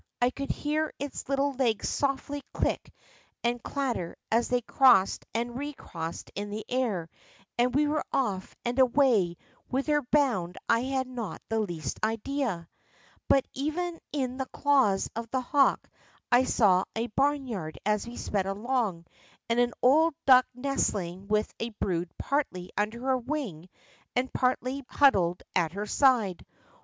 I could hear its little legs softly click and clatter as they crossed and re crossed in the air, and we were off and away, whither hound I had not the least idea. But even in the claws of the hawk I saw a barn yard as we sped along, and an old duck nestling with a brood partly under her wing, and partly huddled at her side.